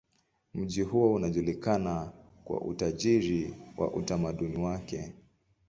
Mji huo unajulikana kwa utajiri wa utamaduni wake.